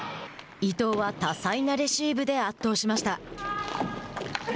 伊藤は多彩なレシーブで圧倒しました。